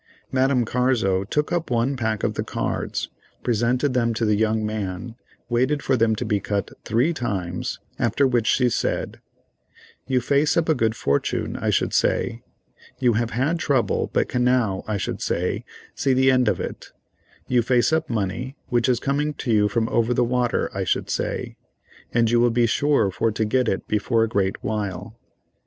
Madame Carzo took up one pack of the cards, presented them to the young man, waited for them to be cut three times, after which she said: "You face up a good fortune I should say, you have had trouble but can now, I should say, see the end of it—you face up money, which is coming to you from over the water, I should say, and you will be sure for to get it before a great while.